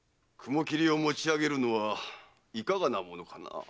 雲切をもち上げるのはいかがなものかな？